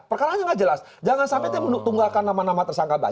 perkaraannya tidak jelas